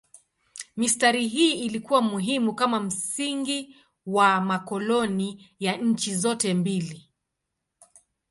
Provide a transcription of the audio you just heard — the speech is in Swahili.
Mistari hii ilikuwa muhimu kama msingi wa makoloni ya nchi zote mbili.